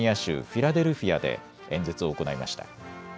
フィラデルフィアで演説を行いました。